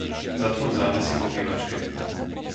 Zatvor závesy v obývačke.